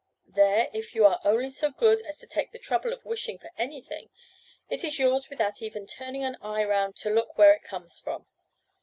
There, if you are only so good as to take the trouble of wishing for anything, it is yours without even turning an eye round to look where it comes from.